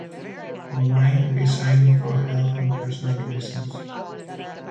Romine resigned for health and personal reasons.